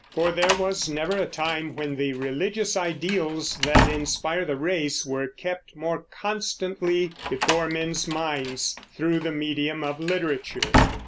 For there was never a time when the religious ideals that inspire the race were kept more constantly before men's minds through the medium of literature.